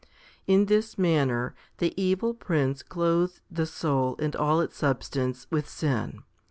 1 In this manner the evil prince clothed the soul and all its substance with sin.